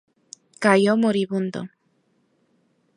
Cayó moribundo.